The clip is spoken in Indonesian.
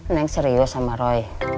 neng serius sama roy